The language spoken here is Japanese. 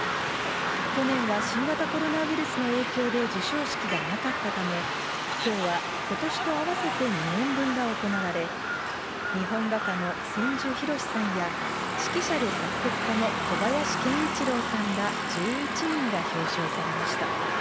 去年は新型コロナウイルスの影響で授賞式がなかったため、きょうはことしと合わせて２年分が行われ、日本画家の千住博さんや、指揮者で作曲家の小林研一郎さんら１１人が表彰されました。